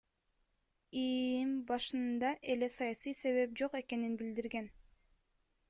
ИИМ башында эле саясий себеп жок экенин билдирген.